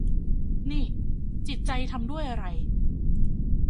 นี่จิตใจทำด้วยอะไร